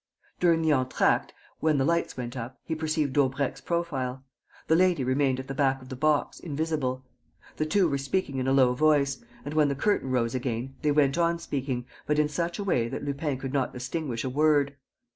During the entr'acte, when the lights went up, he perceived Daubrecq's profile. The lady remained at the back of the box, invisible. The two were speaking in a low voice; and, when the curtain rose again, they went on speaking, but in such a way that Lupin could not distinguish a word.